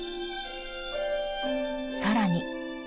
更に。